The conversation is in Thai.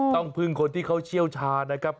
ต้องพึ่งคนที่เขาเชี่ยวชาญนะครับ